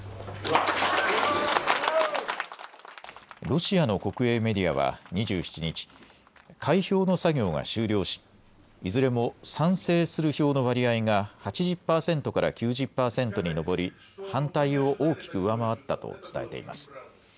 ロシアの国営メディアは２７日、開票の作業が終了しいずれも賛成する票の割合が８０％から９０％に上り反対を大きく上回ったと伝えています。